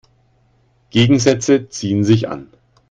Gegensätze ziehen sich an.